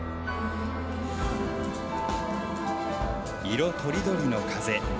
色とりどりの風。